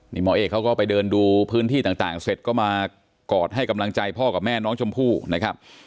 นี่หมอเอกเขาก็ไปเดินดูพื้นที่ต่างเสร็จก็มากอดให้กำลังใจพ่อกับแม่น้องชมพู่นะครับ